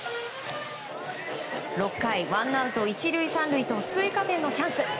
６回、ワンアウト１塁３塁と追加点のチャンス。